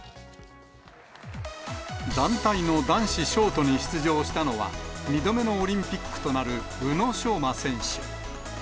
団体の男子ショートに出場したのは、２度目のオリンピックとなる宇野昌磨選手。